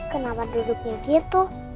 kenapa duduknya gitu